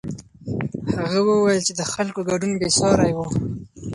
هغه وویل چې د خلکو ګډون بېساری و.